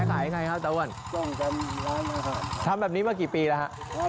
ต้องการมีร้านนะครับทำแบบนี้มากี่ปีแล้วครับ